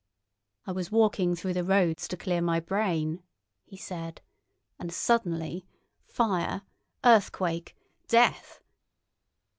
"I was walking through the roads to clear my brain," he said. "And suddenly—fire, earthquake, death!"